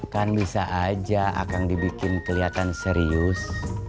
kan bisa aja akan dibikin kelihatan serius